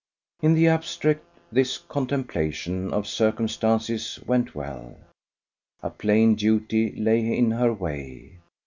In the abstract this contemplation of circumstances went well. A plain duty lay in her way.